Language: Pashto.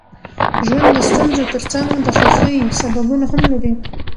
ژوند د ستونزو ترڅنګ د خوښۍ سببونه هم لري.